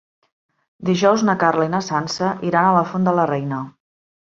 Dijous na Carla i na Sança iran a la Font de la Reina.